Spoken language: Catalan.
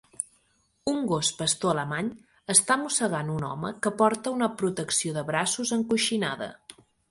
Un gos pastor alemany està mossegant un home que porta una protecció de braços encoixinada.